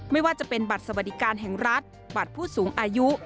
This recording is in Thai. ไม่ว่าจะเป็นบัตรสวัสดิการแห่งรัฐบัตรผู้สูงอายุ